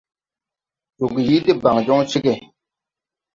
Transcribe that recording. Joge yii debaŋ jɔŋ cege.